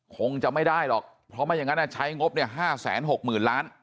คงจะไม่ได้หรอกเพราะไม่อย่างนั้นใช้งบ๕๖๐๐๐ล้าน